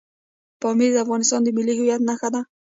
پامیر د افغانستان د ملي هویت نښه ده.